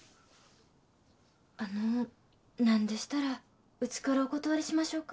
あの何でしたらうちからお断りしましょうか？